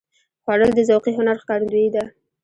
خوړل د ذوقي هنر ښکارندویي ده